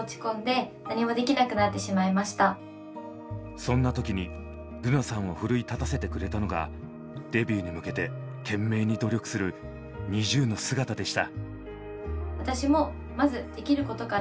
そんな時に瑠奈さんを奮い立たせてくれたのがデビューに向けて懸命に努力するＮｉｚｉＵの姿でした。